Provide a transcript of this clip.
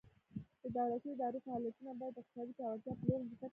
د دولتي ادارو فعالیتونه باید د اقتصادي پیاوړتیا په لور حرکت وکړي.